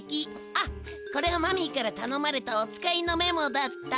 あっこれはマミーからたのまれたお使いのメモだった。